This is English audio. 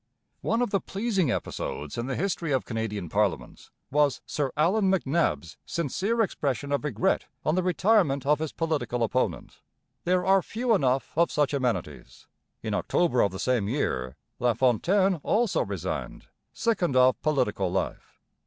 One of the pleasing episodes in the history of Canadian parliaments was Sir Allan MacNab's sincere expression of regret on the retirement of his political opponent. There are few enough of such amenities. In October of the same year LaFontaine also resigned, sickened of political life.